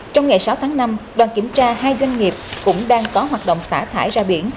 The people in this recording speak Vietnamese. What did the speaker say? trong ngày sáu tháng năm đoàn kiểm tra hai doanh nghiệp cũng đang có hoạt động xả thải ra biển